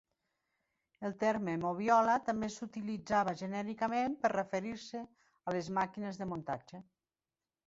El terme moviola també s'utilitzava genèricament per referir-se a les màquines de muntatge.